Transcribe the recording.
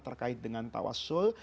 terkait dengan tawassul